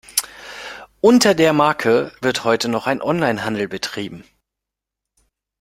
Unter der Marke wird heute noch ein Onlinehandel betrieben.